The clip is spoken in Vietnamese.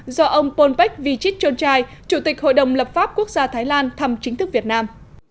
do ông polpech vichit chonchai chủ tịch hội đồng lập pháp quốc gia thái lan thăm chính thức việt nam